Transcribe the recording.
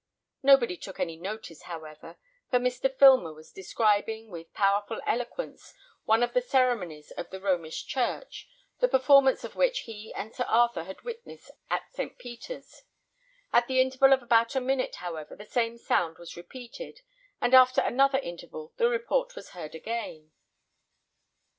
Nobody took any notice, however, for Mr. Filmer was describing, with powerful eloquence, one of the ceremonies of the Romish church, the performance of which he and Sir Arthur had witnessed at St. Peter's. At the interval of about a minute, however, the same sound was repeated, and after another interval the report was heard again.